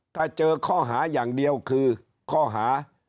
ถ้าเจอข้อหาอย่างเดียวคือข้อหา